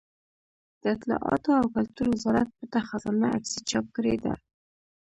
د اطلاعاتو او کلتور وزارت پټه خزانه عکسي چاپ کړې ده.